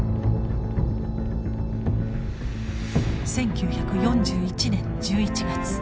１９４１年１１月。